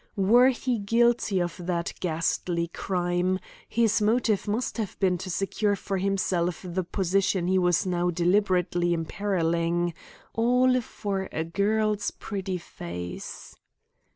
Were he guilty of that ghastly crime, his motive must have been to secure for himself the position he was now deliberately imperilling all for a girl's pretty face.